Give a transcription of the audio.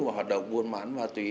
và hoạt động buôn mãn ma túy